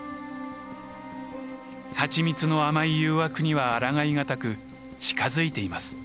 蜂蜜の甘い誘惑にはあらがいがたく近づいています。